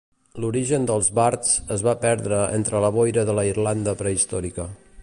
L"origen dels bards es va perdre entre la boira de la Irlanda pre-històrica.